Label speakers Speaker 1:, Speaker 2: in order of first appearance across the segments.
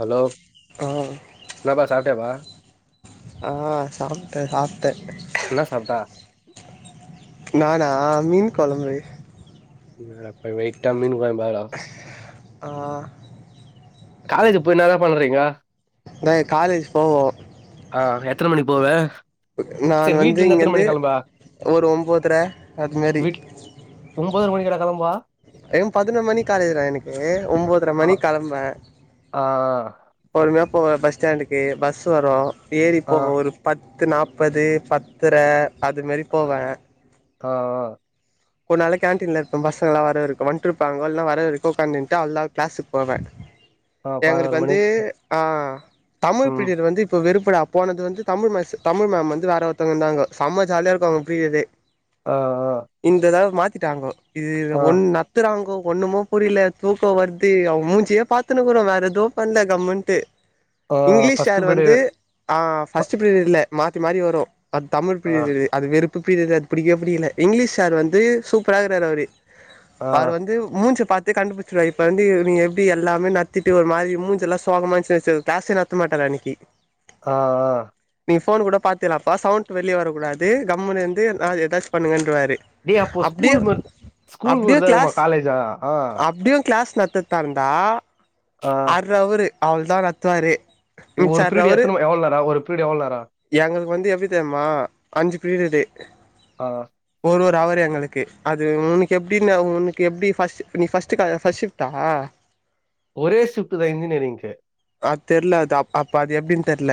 Speaker 1: Hello
Speaker 2: ஆ
Speaker 1: எனப்பா சாப்ட்டியாபா
Speaker 2: ஆ சாப்ட்டே சாப்ட்டே
Speaker 1: என்ன சாப்ட்ட
Speaker 2: நானா மீன் கொழம்பு
Speaker 1: வே வெயிட்டா ஆ மீன் கொளம்ப ஆயிடு
Speaker 2: ஆ
Speaker 1: காலேஜ் போய் என்னத பண்றீங்க
Speaker 2: நாங்க காலேஜ் போவோ
Speaker 1: ஆ எத்ன மணிக்கு போவ
Speaker 2: நான்
Speaker 1: சரி வீட்ல
Speaker 2: வந்து
Speaker 1: இருந்து
Speaker 2: இங்க
Speaker 1: எத்தன
Speaker 2: வந்து
Speaker 1: மணிக்கு கெளம்புவ
Speaker 2: ஒரு ஒம்போத்ர அது மாரி
Speaker 1: ஒம்போத்ரா மணிக்காடா கெளம்புவ
Speaker 2: ஏ பதினொரு மணி காலேஜ்டா எனக்கு ஒன்போதர
Speaker 1: ஆ
Speaker 2: மணி கெளம்புவ
Speaker 1: ஆ
Speaker 2: போ பஸ் ஸ்டாண்டுக்கு பஸ் வரு ஏறி
Speaker 1: ஆ
Speaker 2: போக ஒரு பத் பத்து நாற்பது பத்ர அது மாரி போவ
Speaker 1: ஆ ஆ
Speaker 2: [unintelligible] கேண்டீன்ல இருப்பன் பசங்க எல்லாம் வர இருக்கும் வந்ட்டு இருப்பாங்க இல்ல வர்ற இருக்கும் உக்க்கட்டு அவ்ளா தா கிளாஸுக்கு போவே
Speaker 1: ஆ
Speaker 2: எங்களுக்கு
Speaker 1: பதினோரு
Speaker 2: வந்து
Speaker 1: மணிக்கு
Speaker 2: ஆ தமிழ்
Speaker 1: ம்
Speaker 2: பிடியர் வந்து இப்ப வெறுப் ப்படா போனது வந்து தமிழ் தமிழ் மேம் வந்து வேற ஒருத்தவங்க இருந்தாங்க செம்ம ஜாலியா இருக்கும் அவங்க பீரியட்
Speaker 1: ஆ ஆ
Speaker 2: இந்ததாவ மாத்திட்டாங்கோ இது
Speaker 1: ஆ
Speaker 2: ஒன்னு நத்துறாங்கோ ஒண்ணுமோ புரியல தூக்கம் வருது அவ மூஞ்சியே பாத்துன்னனுக்குறோ வேற எதுவும் பண்ணல கம்மென்ட்டூ
Speaker 1: ஆ
Speaker 2: இங்கிலீஷ்
Speaker 1: ஃபர்ஸ்ட்
Speaker 2: சார் வந்து
Speaker 1: பீரியடு
Speaker 2: ஆ ஃபஸ்ட்ரியர் இல்ல மாற்ற மாி வரும் அது தமிழ்
Speaker 1: ஆ
Speaker 2: பிரீரியடருது அது வெறுப்பு பிரரியர் அது பிடிக்கவே பிடிக்கல இங்கிலீஷ் சார் வந்து சூப்பர்ரா இருக்ககுறாரூ அவரு
Speaker 1: ஆ
Speaker 2: அவரு வந்து மூஞ்ச பாத்து கண்டுபுடிச்ச இப்ப வந்து நீ எப்படி எல்லாமே நத்திட்டு ஒரு மாரி மூஞ்சல்ல சோக [unintelligible] கிளாஸ்ஏ நத்த மாட்டாரு அன்னிக்கி
Speaker 1: ஆ ஆ
Speaker 2: நீங்க போன் கூட பாத்துலாப்பா சவுண்ட் வெளிய வரக்கூடாது கம்முன்னு இருந்து ஆ எதாவது பண்ணுங்க இட்ருவாரு
Speaker 1: டேய் அப்போ ஸ்கூல்
Speaker 2: அப்படியும்
Speaker 1: மட் ஸ்கூல்
Speaker 2: அப்படியும்
Speaker 1: மாரிதா இருக்குமா
Speaker 2: கிளாஸ்
Speaker 1: காலேஜா ஆ
Speaker 2: அப்படியும் கிளாஸ் நத்த தந்தா இருந்தா
Speaker 1: ஆ
Speaker 2: அர்ரு அவரு அவலதா நத்துவாரு
Speaker 1: ஒரு பீரியட் எத்த எவளோரா ஒரு பீரீடு எவ்ள நேர
Speaker 2: எங்களுக்கு வந்து எப்படித்தமா அஞ்சு பீரிடுடு
Speaker 1: ஆ
Speaker 2: ஒரு ஒரு அவர் எங்களுக்கு அது உனக்கு எப்பின்னு உனக்கு எப்படி ஃபர்ஸ்ட் நீ ஃபஸ்டு ஃபர்ஸ்ட் ஷிஃப்டா
Speaker 1: ஒரே சிப்ட் தான் இன்ஜினியரிங்க்கு
Speaker 2: அ தெரியல அது அ அப்ப அது எப்படின்னு தெரில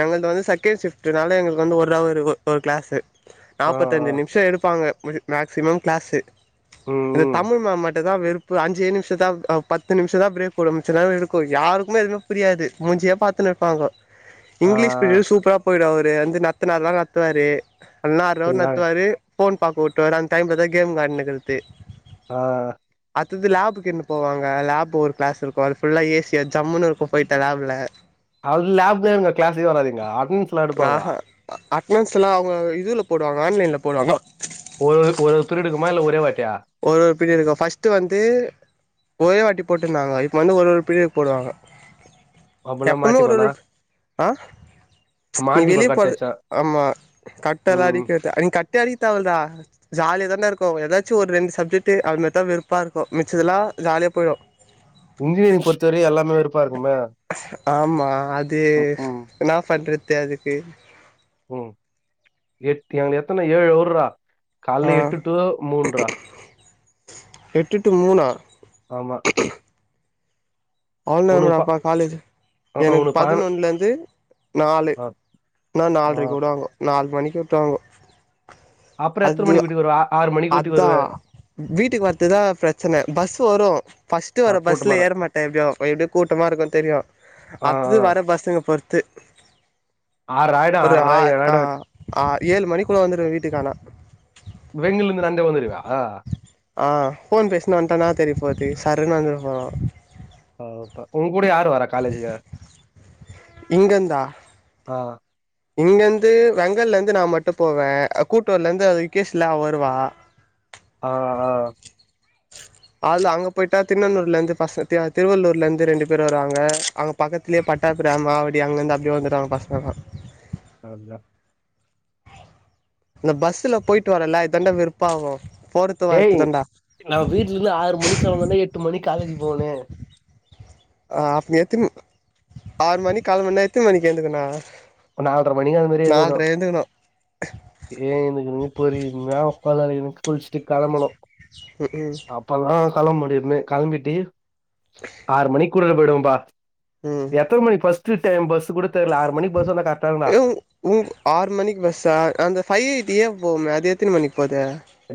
Speaker 2: எங்கல்து வந்து சக் செகன்ட் ஷிஃப்ட்னால எங்களுக்கு வந்து ஒரு அவரு ஒரு கிளாஸு
Speaker 1: ஆ ஆ
Speaker 2: நாற்பத்தஞ்சி நிமிஷம் எடுப்பாங்க முடிஞ் மேக்சிமம் கிளாஸு
Speaker 1: ம்
Speaker 2: இந்த
Speaker 1: ம்
Speaker 2: தமிழ் மேம் ம ட்டுதா வெறுப்பு அஞ்சே நிமிஷதா பத்து நிமிஷதா பிரேக் போடு மிச்ச நேரோ இருக்கு யாருக்குமே எதுமே புரியாது மு ஞ்சியே பாத்துன்னு இருப்பாங்கோ
Speaker 1: ஆ
Speaker 2: இங்கிலீஷ் பீரியட் சூப்பரா போயிடு அவரு வந்து நடத்துனார்னா நடத்துவாரு அண்ணார் ரவுண்ட்
Speaker 1: இதுதாங்க
Speaker 2: நத்துவாரு போன் பாக்க விட்டுருவாரு அந்த டைம்லதா கேம் வெளான்னிக்கிறது
Speaker 1: ஆ
Speaker 2: த்தது லேப்க்கு என்ன போவாங்க லேப் ஒரு கிளாஸ் இருக்கு அது ஃபுல்லா ஏ சியா ஜம்முனு இருக்கு போய்ட்டா லேப்ல
Speaker 1: அது லேப்தானுங்கோ கிளாஸே வராதுங்ளா அட்னன்ஸ் எல்லா எடுப்பாங்ளா
Speaker 2: அட்னன்ஸ் எல்லா அவுங்க இதுல போடுவாங்க ஆன்லைன்ல போடுவாங்க
Speaker 1: ஒரு ஒரு பீரியட் இருக்குமா இல்ல ஒரே வாட்டியா
Speaker 2: ஒரு ஒரு பீரியடுக்கா ஃபர்ஸ்ட்டு வந்து ஒரே வாட்டி போட்டிருந்தாங்க இப்ப வந்து ஒரு ஒரு பீரியடுக்கு போடுவாங்க
Speaker 1: அப்பல்லா
Speaker 2: எப்பமே ஒரு ஒரு
Speaker 1: மாட்டிப்பனா
Speaker 2: ஆ நீ
Speaker 1: மாட்டிப்ப
Speaker 2: வெளிய
Speaker 1: கட்
Speaker 2: போறது
Speaker 1: அடிச்சா
Speaker 2: ஆமா கட்டெல்லா
Speaker 1: ம்
Speaker 2: அடிக்கறது நீங்க கட் அடிக்க தேவல்ல ஜாலியாதானே இருக்கு எதாச்சு ஒரு ரெண்டு சப்ஜெக்ட் அன்னத்த வெருப்பா இருக்கு மிச்சதெல்லா ஜாலியா போயிடு
Speaker 1: இன்ஜினியரிங் பொறுத்தவரையு எல்லாமே வெறுப்பா இருக்குமே
Speaker 2: ஆமா அது
Speaker 1: ம் ம்
Speaker 2: என்னா பண்றது அதுக்கு
Speaker 1: உம் எட்டு எங்க எத்தன ஏழு ஊர்ரா
Speaker 2: ஆ
Speaker 1: கால்ல எட்டு டு மூன்ரா
Speaker 2: எட்டு டூ மூணா
Speaker 1: ஆமா
Speaker 2: அவ்ளோ
Speaker 1: உனக்கு ப
Speaker 2: நேரமடாப்பா காலேஜ்
Speaker 1: அ அ
Speaker 2: எனக்கு
Speaker 1: உனக்கு பதினொ
Speaker 2: பதினொன்னுலந்து நாலு
Speaker 1: ஆ
Speaker 2: நான்னா
Speaker 1: ஆ
Speaker 2: நாலரைக்கு விடுவாங்கோ நால் மணிக்கு விட்டுருவாங்கோ
Speaker 1: அப்புறோ எத்தன மணி வீட்டுக்கு வருவ ஆறு மணிக்கு வீட்டுக்கு
Speaker 2: அதா
Speaker 1: வருவ
Speaker 2: வீட்டுக்கு வர்ரதுதா பிரச்சன பஸ் வொரு ஃபர்ஸ்ட்
Speaker 1: ஆ
Speaker 2: வர்ர
Speaker 1: கூட்டமா
Speaker 2: பஸ்ல
Speaker 1: இரு
Speaker 2: ஏற மாட்டே எப்டியோ எப்டியோ கூட்டமா இருக்கு தெரியு
Speaker 1: ஆ
Speaker 2: அடுத்தது
Speaker 1: ஆ
Speaker 2: வர்ர பஸ்ஸுங்க பொறுத்து
Speaker 1: ஆறு ஆயிடு
Speaker 2: ஒரு
Speaker 1: ஆறரை
Speaker 2: ஆ
Speaker 1: ஏழு
Speaker 2: ஆ
Speaker 1: ஆயிடு
Speaker 2: அ ஏழு மணிக்குள்ள வந்துருவே வீட்டுக்கு ஆனா
Speaker 1: வெங்கிலந்து நடந்தே வந்திருவியா
Speaker 2: ஆ போன் பேசினே வந்ட்டனா தெரிய போது தெரி சர்ன்னு வந்திரபோறோ
Speaker 1: ஓஹோ உன் கூட யாரு வர்ரா காலேஜ்க்கு
Speaker 2: இங்கந்தா
Speaker 1: ஆ
Speaker 2: இங்கிருந்து வெங்கல்லந்து நா மட்டு போவே கூட்டூர்லந்து அந்த விகேஸ்ல்ல அவ வருவா
Speaker 1: ஆ ஆ
Speaker 2: அதுல அங்க போயிட்டா திண்ணணூர்லருந்து பசங் திருவள்ளூர்ல்ல இருந்து ரெண்டு பேரு வர்ராங்க அங்க பக்கத்திலயே பட்டா அப்றோ மறுபடி அங்கிந்து அப்டியே வந்துருவாங்க பசங்கல்லா
Speaker 1: அதா
Speaker 2: இந்த பஸ்ல போயிட்டு வர்ரல்ல இதாண்டா வெருப்பாகு போறத்து
Speaker 1: டேய்
Speaker 2: வரத்துதாண்டா
Speaker 1: நா வீட்ல இந்து ஆறு மணிக் கெளம்புனனா எட்டு மணிக்கு காலேஜ் போகுனு
Speaker 2: அ அப்ப எத்தின் ஆறு மணி கேளம்புனா எத்தின் மணிக்கு எந்துருக்குண்ணு
Speaker 1: நால்ற மணிக்கு அந்த மாரி எந்துக்கணு ஏன் எதுக்குன்னு புரியாம உக்காந்திருக்ன்னு குல்ஸ்டு கெளம்பனு
Speaker 2: ம் ம்
Speaker 1: அப்பல்லா கெளம் முடியுமே கெளம்பிட்டு ஆறு மணிக்கூட போய்டுவன்ப்பா
Speaker 2: ம்
Speaker 1: எத்தன மணிக் ஃபர்ஸ் ட்டு டைம் பஸ் கூட தெர்ல ஆறு மணி
Speaker 2: ஏதோ உங் உங் ஆறு மணிக்கு பஸ்ஸா அந்த ஃபைவ் டியே போவுமே அது எத்தின் மணிக்கு போதெ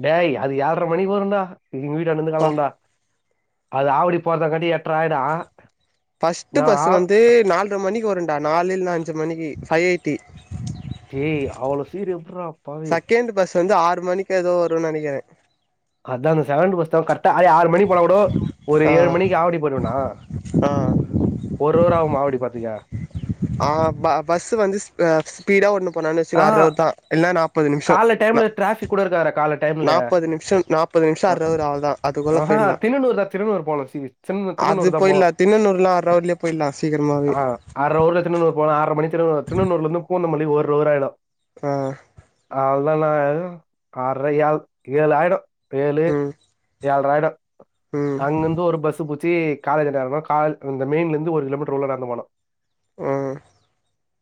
Speaker 1: டேய் அது ஏல்ற மணிக்கு வருண்டா எங்க வீட்டாண்ட இருந்து
Speaker 2: பா
Speaker 1: கெளம்பனுடா அது ஆவடி போறதாங்காட்டி எட்ர ஆயிடு
Speaker 2: ஃபர்ஸ்ட்டு
Speaker 1: நா
Speaker 2: பஸ்
Speaker 1: ஆ
Speaker 2: வந்து நாலர மணிக்கு வருண்டா நாலு இல்லனா அஞ்சு மணிக்கு ஃபைவ் எயிட்டி
Speaker 1: டேய் அவ்ளோ சீக்கிரோ எப்புறா
Speaker 2: செகண்ட் பஸ் வந்து ஆறு மணிக்கு எதோ வரு நெனைக்கறே
Speaker 1: அதா அந்த செகண்ட் பஸ்தா கரெட் டா ஆறு மணிக்கு போல வடு ஒரு ஏழு
Speaker 2: ஆ
Speaker 1: மணிக்கு ஆவடி போய்ருவனா
Speaker 2: ஆ
Speaker 1: ஒரு அவர் ஆகுமா ஆவடி போறதுக்கு
Speaker 2: ஆ ப பஸ்சு வந்து ஸ்பீ ஸ்பீடா ஓட்னு போனானு வச்சுக்கோ
Speaker 1: ஆ
Speaker 2: அர் அவ்ரு தா இல்ல நா ப்பது நிமிஷோ
Speaker 1: கால
Speaker 2: நா
Speaker 1: டைம்ல டிராபிக் கூட இருக்காதுடா கால டைம்ல
Speaker 2: நாப்பது நிம்ஷ நாப்பது நிம்ஷ அர் அவ்ரு அவ்ள்தா அதுக்குள்ள
Speaker 1: ஆஹா
Speaker 2: போய் டலா
Speaker 1: திருநூறு தான் திருநூறு போனோம் சி திருநூ-
Speaker 2: அது
Speaker 1: திருநூறு தான் போனோம்
Speaker 2: போயிலா தின்னனூறுலா அர் அவர்லயே போயிர்லா சீக்கரமாவே
Speaker 1: அர் அவர்ல திருண்ணனூறு போனா ஆர்ற மணி திருண் திருண்ணனூர்ல இருந்து பூந்தமல்லி ஒரு அவர் ஆயிடு
Speaker 2: ஆ
Speaker 1: அவ்ளதா நா எது ஆர்ற யா ஏழு ஆயிடு ஏழு
Speaker 2: ம்
Speaker 1: ஏழ்ற ஆயிடு
Speaker 2: ம்
Speaker 1: அங்கருந்து ஒரு பஸ்சு புச் சு காலேஜ்ல எறங்கணு காலேஜ் இந்த மெயின்லருந்து ஒரு கிலோமீட்டர் உள்ள நடந்து போனு
Speaker 2: ம்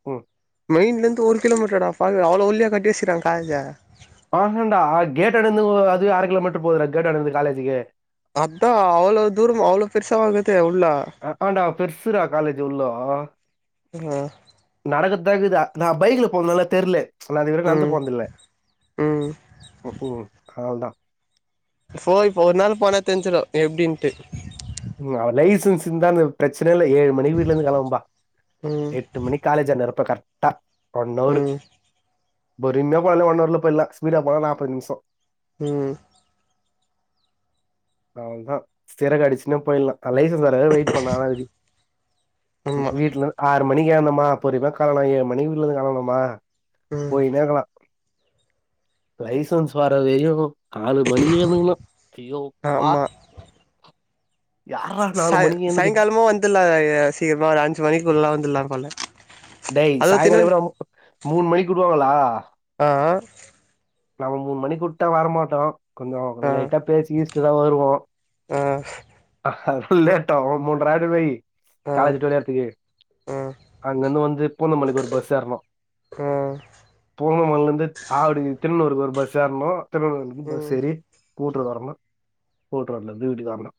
Speaker 1: ம்
Speaker 2: மெயின்ல இருந்து ஒரு கிலோமீட்டராடா பாவி அவ்ளோ உள்ளையா கட்டி வச்சுருக்காங் காலேஜ
Speaker 1: ஆஹ்ஹண்டா கேட் ட்ட இருந்து அதுவே அர கிலோமீட்டர் போகுதுடா கேட்டான்டயிருந்து காலேஜிக்கு
Speaker 2: அதா அவ்ளோ தூர்ம அவ்ளோ பெர்சாவ இக்குது
Speaker 1: ஹ்க்குன்டா பெருசுடா காலேஜ் உள்ளு
Speaker 2: ம்
Speaker 1: க்குதா நா பைக்ல போனதுனால தெர்லே நா இது வரைக்கு நடந்து
Speaker 2: ம்
Speaker 1: போன்து இல்ல
Speaker 2: ம்
Speaker 1: ம்க்கு அவ்ளுதா
Speaker 2: இப்போ இப்ப ஒரு நாள் போனா தெரிஞ்சிடு எப்டின்ட்டு
Speaker 1: ம் அவ லைசன்ஸ் இருந்தா ந்த ப்ரச்சனையே இல்லே ஏழு மணிக்கு வீட்லருந்து கெளம்பபா
Speaker 2: ம்
Speaker 1: எட்டு மணிக்கு காலேஜ் அங்கிருப்ப கர்ட்டா ஒண்ணவரு
Speaker 2: ம்
Speaker 1: பொறுமையா போனினா ஒண்ணவர்ல போயிர்லா ஸ்பீடா போன நாப்பது நிம்ஷோ
Speaker 2: ம்
Speaker 1: அவள்தா சிறகு அடிச்சுனே போயிர்லா லைசன்ஸ் வரவரையு வெயிட் பண்ணனு அதா விதி
Speaker 2: ஆமா
Speaker 1: வீட்லர்ந் ஆறு மணிக்கேர்னமா பொருமயா காலணா ஏழு மணிக்கு வீட்லந்து கெளம்பனமா
Speaker 2: ம்
Speaker 1: போய்கினேக்கலா லைசன்ஸ் வர வெயு நாலு மணிக்கு எழுந்துகனு ஐயோ ப்பா
Speaker 2: ஆமா
Speaker 1: யார்றா நாலு
Speaker 2: சாய
Speaker 1: மணிக்கு எழுந்துக்கறது
Speaker 2: சாய்ங்காலமு வந்துடலா சீக்கிரமா ஒரு அஞ்சு மணிக்கு உள்ள வந்துடலா போல
Speaker 1: டெய்
Speaker 2: அதுவு
Speaker 1: சாயங்கால
Speaker 2: தின்னன்
Speaker 1: எப்பர்றா மூ மூணு மணிக்கு உடுவாங்களா
Speaker 2: ஆ
Speaker 1: நம்ம மூணு மணிக்குட்டா வர மாட்டோ கொஞ்ச
Speaker 2: ஆ
Speaker 1: லைட்டா பேசு கீஸ்ட் தா வருவோ
Speaker 2: ஆ
Speaker 1: லேட்டாவு மூன்ற ஆயிடுன் வெய்
Speaker 2: ஆ
Speaker 1: காலேஜுட்டு வெளிய வரதுக்கு
Speaker 2: ஆ
Speaker 1: அங்கிருந்து வந் து பூந்தமல்லிக்கு ஒரு பஸ் ஏறனு
Speaker 2: ஆ
Speaker 1: பூந்தமல்லில இருந்து ஆவடி திருநூறுக்கொரு பஸ் ஏறனு திருணன்னூறுலர்ந்து பஸ்
Speaker 2: ம்
Speaker 1: ஏறி கூட்ரோடு வரணு கூட்ரோட்லந்து வீட்டுக்கு வரணு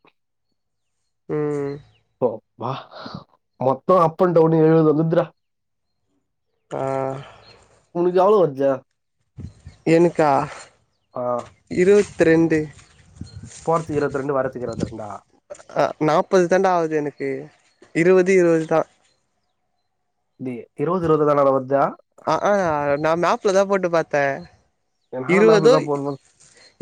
Speaker 2: ம்
Speaker 1: அப்பா மொத்த அப் அண்ட் டவுன் எழுபது வந்துரா
Speaker 2: ஆ
Speaker 1: உனக்கு எவ்ள வருது
Speaker 2: எனுக்கா இருவத்ரெண்டு
Speaker 1: போறதுக்கு இருபத்தி ரெண்டு வரதுக்கு இருபத்தி ரெண்டா
Speaker 2: அ நாப்பது தாண்டா ஆவுது எனுக்கு இருவது இருவது தா
Speaker 1: டே இருவது இருவதுதானாடா வர்ஜா
Speaker 2: அ ஆ நா மேப்லதா போட்டு பாத்த
Speaker 1: என்னால்
Speaker 2: இருவது
Speaker 1: மேப்ல தான் போடணும்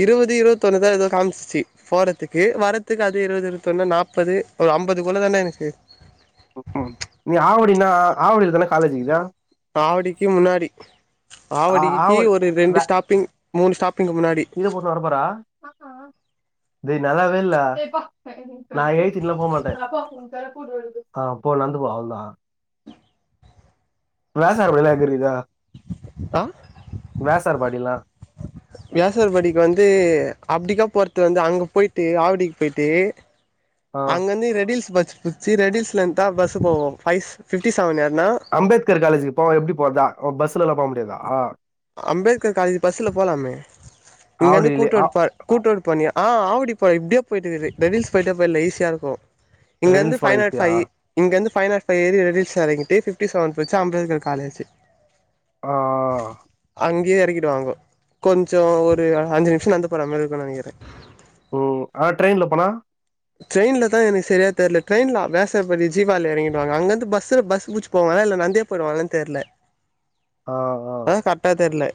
Speaker 2: இருவது இருவத்தொண்ணுதா எதோ காம்சிச்சு போறத்துக்கு வரதுக்கு அது இருபது இருபத்தொன்னு நாப்பது ஒரு அம்பதுக்குள்ள தான இருந்ச்சு
Speaker 1: ம் நீ ஆவடினா ஆவடில தான காலேஜ் இருக்குது
Speaker 2: ஆவடிக்கு முன்னாடி
Speaker 1: ஆ
Speaker 2: ஆவடிக்கு
Speaker 1: ஆவடி
Speaker 2: ஒரு
Speaker 1: வே
Speaker 2: ரெண்டு ஸ்டாப்பிங் மூணு ஸ்டாப்பிங்கு முன்னாடி
Speaker 1: இத போட்னு வர போறா [unintelligible] நல்லாவே இல்ல நா எய்ன்சுட்டுலா போ மாட்டே ஆ போ நடந்து போ சொல்டா வேசார் பாடிலா எங்கிருக்குது
Speaker 2: ஆ
Speaker 1: வேசார் பாடில்லா
Speaker 2: வியாசர் பாடிக்கு வந்து அப்டிக்கா போறது வந்து அங்க போய்ட்டு ஆவடிக்கு போய்ட்டு
Speaker 1: ஆ
Speaker 2: அங்க வந்து ரெடில்ஸ் பஸ் புடிச்சு ரெடில்ஸ்லந்து தா பஸ் போவும் ஃபை ஃபிஃப்டி செவன் ஏறுனா
Speaker 1: அம்பேத்கர் காலேஜுக்கு போவோ எப்டி போறதா பஸ்ல எல்லா போ முடியாதா
Speaker 2: அம்பேத்கர் காலேஜ் பஸ்ல போலாமே இங்க வந்து
Speaker 1: ஆவடிலே
Speaker 2: கூட்ரோ
Speaker 1: ஆ
Speaker 2: ப கூட்ரோட் பண்ணிய ஆ ஆவடி ப இப்டியே போயிட்டுருக்குது டவில்ஸ் போய்ட்டா போயிலா ஈஸியா இருக்கு இங்க வந்து
Speaker 1: ரெடில்ஸ்
Speaker 2: ஃபை
Speaker 1: போனா
Speaker 2: நாட்
Speaker 1: ஈஸியா
Speaker 2: ஃபை இங்க வந்து ஃபை நாட் ஃபை ஏறி ரெஜிஸ்டர் எறங்கிட்டு ஃபிஃப்டி செவன் போச்சு அம்பேத்கர் காலேஜி
Speaker 1: ஆ ஆ
Speaker 2: அங்கேயே எறக்கிடுவாங்கோ கொஞ்சோ ஒரு அஞ்சு நிமிஷம் நடந்து போற மாரி இருக்கு நெனைக்கிறே
Speaker 1: ம் ஆ ட்ரெயின்ல போனா
Speaker 2: ட்ரென்ய்ல தா எனக்கு சரியா தெரில ட்ரென்ய்லா வியாசர்பாடி ஜீவால எறங்கிடுவாங்க அங்கருந்து பஸ்ல பஸ் புச்சு போவாங்க இல்ல நந்தே போயிடுவாங்கலான் தெரில
Speaker 1: ஆ
Speaker 2: அதா கரெக்டா தெரில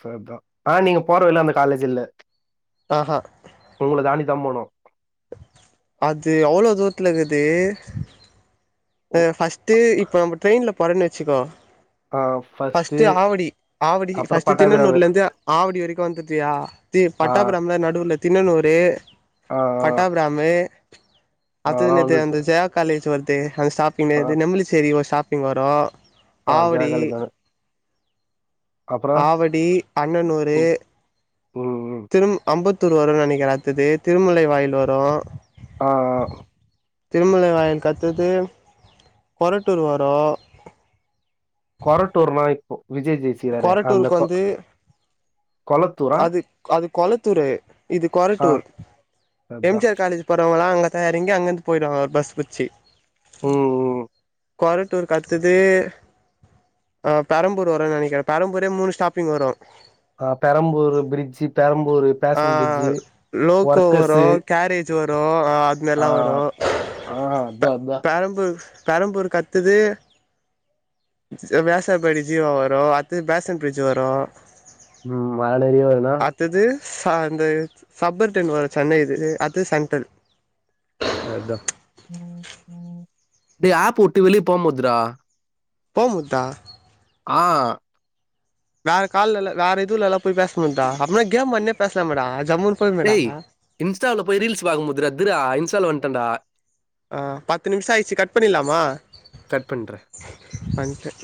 Speaker 1: சரிதா ஆனா நீங்க போற வழில அந்த காலேஜ் இல்ல
Speaker 2: ஆஹா
Speaker 1: உங்கள தான்டிதா போணும்
Speaker 2: அது அவ்ளோ தூரத்துலக்குது ஃபர்ஸ்ட் இப்ப நம்ம ட்ரெயின்ல போறோன்னு வச்சுக்கோ
Speaker 1: ஆ
Speaker 2: ஃபஸ்ட்டு ஆவடி ஆவடி
Speaker 1: அப்றோ
Speaker 2: ஃபஸ்ட்
Speaker 1: பட்டாபிராமு
Speaker 2: தின்னணூர்ல இருந்து ஆவடி வரைக்கு வந்துதியா இது
Speaker 1: ஆ
Speaker 2: பட்டா நம்ம நடுவுல தின்னனூறு
Speaker 1: ஆ ஆ
Speaker 2: பட்டாபிராமு அது
Speaker 1: அதெல்லாம்
Speaker 2: என்னது
Speaker 1: வந்து
Speaker 2: அந்த ஜெயா காலேஜ் வருது அந்த ஸ்டாப்பிங்
Speaker 1: ஆ
Speaker 2: இது நெம்ப்லிச்சேரி ஒரு ஸ்டாப்பிங் வரு
Speaker 1: ஆ ஜெயா காலேஜ் தா
Speaker 2: ஆவடி அண்ணனூறு
Speaker 1: ம் ம் ம்.
Speaker 2: திரு அம்பத்தூர் வருனு நெனைக்கிரறே அத்தது திருமலைவாயில் வரும்
Speaker 1: ஆ ஆ
Speaker 2: திருமலைவாயில் அட்த்தது கொரட்டூர் வரு
Speaker 1: கொரட்டூர்னா இப்போ விஜய் ஜெயசீலரு அந்த
Speaker 2: கொரட்டூருக்கு
Speaker 1: கொ
Speaker 2: வந்து
Speaker 1: கொளத்தூரா
Speaker 2: அது அதுக் கொளத்தூரு இது
Speaker 1: ஆ
Speaker 2: கொரட்டூர் எம் ஜி
Speaker 1: அதான்
Speaker 2: ஆர் காலேஜ் போறவங்களா அங்க தா எறங்கி அங்கேருந்து போயிடுவாங்க ஒரு பஸ் புச்சு
Speaker 1: ம் ம்
Speaker 2: கொரட்டூருக்கு அத்தது அ பெரம்பூர் வரு நெனைக் க்றே பெரம்பூரே மூணு ஸ்டாப்பிங் வரும்
Speaker 1: ஆ பெரம்பூர் பிரிட்ஜ் பெரம்
Speaker 2: ஆ லோக்கோ வரு
Speaker 1: ஒர்க்கர்ஸு
Speaker 2: கேரேஜ் வரு ஆ
Speaker 1: ஆ
Speaker 2: அங்கல்லா வரு
Speaker 1: ஆ அதா அதா
Speaker 2: பெரம்பூர்க்கு அட்த்தது வியாசர்பாடி ஜீவா வரு அட்த்தது பேசன் பிரிட்ஜ் வரு
Speaker 1: ம் மழையு வேனா
Speaker 2: அடுத்தது ச அந்த சப்பர் டென் வரு சென்னை இது அது சென்ட்ரல்
Speaker 1: அதா டேய் ஆப்ப உட்டு வெளிய போமாதுட்ரா
Speaker 2: போம்முதா
Speaker 1: ஆ
Speaker 2: வேற கால்லல வேற இதுலல்லா போய் பேச முடிதா அப்பனா கேம் வெளான்னே பேசலாமேடா ஜம்முன்னு போய்மேடா
Speaker 1: டேய் இன்ஸ்டால போய் ரீல்ஸ் பகும் முதுதுரா இன்ஸ்டால வந்ட்டடா
Speaker 2: ஆ பத்து நிமிஷம் ஆயிடுச்சு கட் பண்ணிலாமா
Speaker 1: கட் பண்றேன்
Speaker 2: பஞ்ச